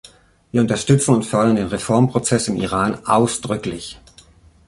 Wir unterstützen und fördern den Reformprozess im Iran ausdrücklich.